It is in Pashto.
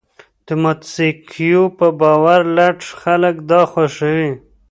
د مونتیسکیو په باور لټ خلک دا خوښوي.